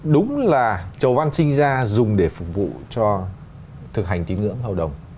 đúng là chầu văn sinh ra dùng để phục vụ cho thực hành tín ngưỡng hầu đồng